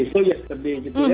itu yesterday gitu ya